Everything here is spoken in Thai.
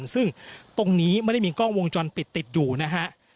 ซึ่งตรงนี้ไม่ได้มีกล้องวงจรปิดติดอยู่นะฮะ